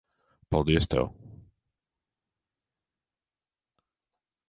Paldies tev.